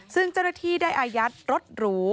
ซึ่งเจ้าหน้าที่ได้อายัดรถหรู